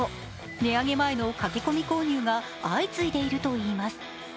値上げ前の駆け込み購入が相次いでいるといいます。